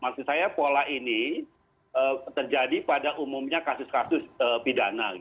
maksud saya pola ini terjadi pada umumnya kasus kasus pidana